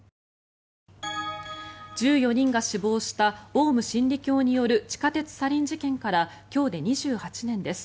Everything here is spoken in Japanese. １４人が死亡したオウム真理教による地下鉄サリン事件から今日で２８年です。